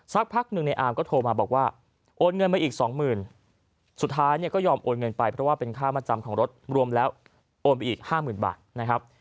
สักพักหนึ่งในอาร์มก็โทรมาบอกว่าโอนเงินมาอีกสองหมื่นสุดท้ายเนี่ยก็ยอมโอนเงินไปเพราะว่าเป็นค่ามาจำของรถรวมแล้วโอนไปอีกห้าหมื่นบาทนะครับ